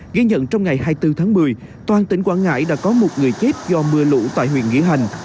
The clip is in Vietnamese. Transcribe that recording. ghi nhận trong ngày hai mươi bốn tháng một mươi toàn tỉnh quảng ngãi đã có một người chết do mưa lũ tại huyện nghĩa hành